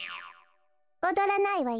おどらないわよ。